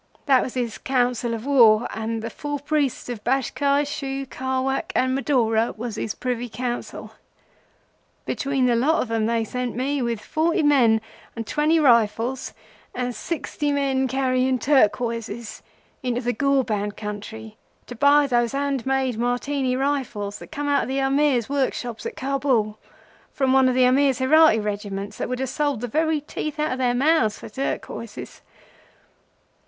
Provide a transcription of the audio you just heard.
That was his Council of War, and the four priests of Bashkai, Shu, Khawak, and Madora was his Privy Council. Between the lot of 'em they sent me, with forty men and twenty rifles, and sixty men carrying turquoises, into the Ghorband country to buy those hand made Martini rifles, that come out of the Amir's workshops at Kabul, from one of the Amir's Herati regiments that would have sold the very teeth out of their mouths for turquoises.